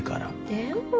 でも。